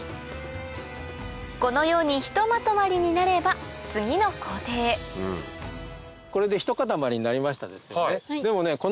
このようにひとまとまりになれば次の工程へこれでひと塊になりましたですよね。